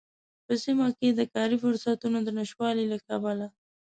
په سيمه کې د کاری فرصوتونو د نشتوالي له کبله